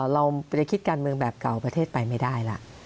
เราจะคิดการเมืองแบบเก่าประเทศไปไม่ได้ล่ะ